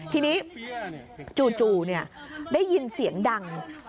ทีนี้จู่ได้ยินเสียงดัง